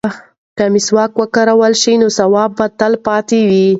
که مسواک وکارول شي نو ثواب به یې تل پاتې وي.